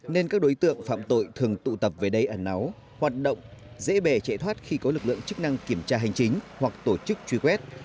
nên các đối tượng phạm tội thường tụ tập về đây ẩn náu hoạt động dễ bề chạy thoát khi có lực lượng chức năng kiểm tra hành chính hoặc tổ chức truy quét